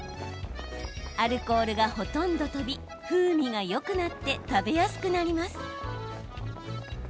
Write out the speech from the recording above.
アルコールがほとんど飛び風味がよくなって食べやすくなります。